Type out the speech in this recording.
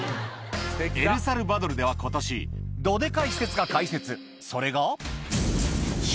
エルサルバドルでは今年どデカい施設が開設